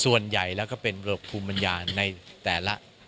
ส่วนใหญ่แล้วก็เป็นระบบภูมิปัญญาในแต่ละ